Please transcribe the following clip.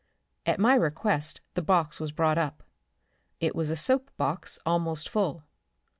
At my request the box was brought up. It was a soap box almost full.